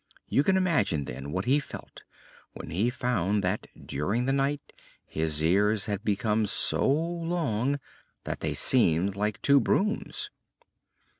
You can imagine then what he felt when he found that during the night his ears had become so long that they seemed like two brooms.